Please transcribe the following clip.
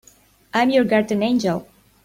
I'm your guardian angel.